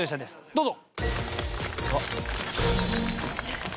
どうぞ。